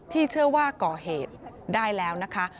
เชื่อว่าก่อเหตุได้แล้วนะคะ